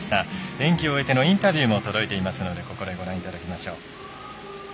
演技を終えてのインタビューも届いていますのでここでご覧いただきましょう。